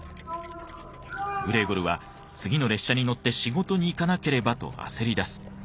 グレーゴルは次の列車に乗って仕事に行かなければと焦りだす。